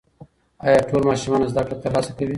ایا ټول ماشومان زده کړه ترلاسه کوي؟